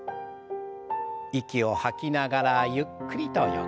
息を吐きながらゆっくりと横の方へ。